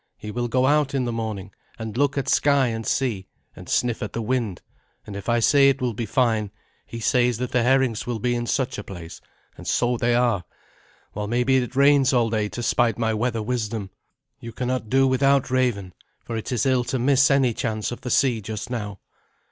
"He will go out in the morning, and look at sky and sea, and sniff at the wind; and if I say it will be fine, he says that the herrings will be in such a place; and so they are, while maybe it rains all day to spite my weather wisdom. You cannot do without Raven; for it is ill to miss any chance of the sea just now.